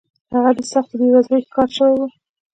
هغه د سختې بېوزلۍ ښکار شوی و.